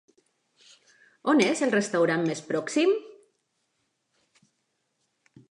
On és el restaurant més pròxim?